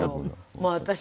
もう私ね